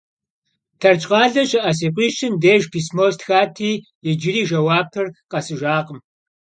Terçkhale şı'e si khueşşım dêjj pismo stxati, yicıri jjeuapır khesıjjakhım.